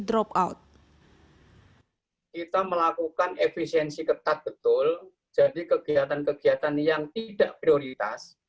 drop out kita melakukan efisiensi ketat betul jadi kegiatan kegiatan yang tidak prioritas